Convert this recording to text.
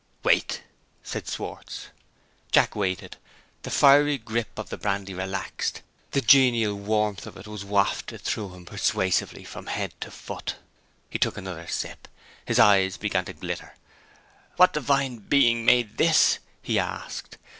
"Wait!" said Schwartz. Jack waited. The fiery grip of the brandy relaxed; the genial warmth of it was wafted through him persuasively from head to foot. He took another sip. His eyes began to glitter. "What divine being made this?" he asked.